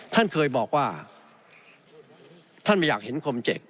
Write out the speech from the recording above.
ท่านเคยบอกว่าท่านไม่อยากเห็นคมเจ็ก